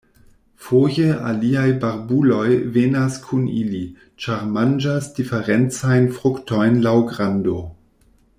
Foje aliaj barbuloj venas kun ili, ĉar manĝas diferencajn fruktojn laŭ grando.